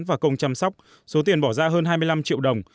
và công chăm sóc số tiền bỏ ra hơn hai mươi năm triệu đồng